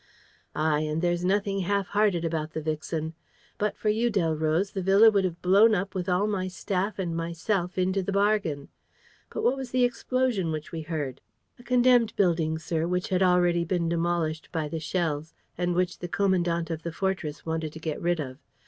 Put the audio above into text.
"Ay; and there's nothing half hearted about the vixen! But for you, Delroze, the villa would have been blown up with all my staff and myself into the bargain! ... But what was the explosion which we heard?" "A condemned building, sir, which had already been demolished by the shells and which the commandant of the fortress wanted to get rid of.